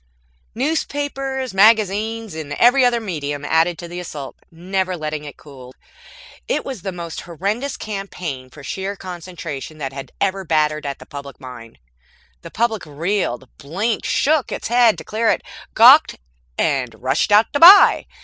_" Newspapers, magazines and every other medium added to the assault, never letting it cool. It was the most horrendous campaign, for sheer concentration, that had ever battered at the public mind. The public reeled, blinked, shook its head to clear it, gawked, and rushed out to buy.